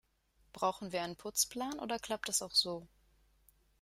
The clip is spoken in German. Brauchen wir einen Putzplan, oder klappt das auch so?